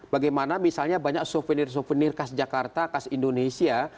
bagaimana misalnya banyak souvenir souvenir khas jakarta khas indonesia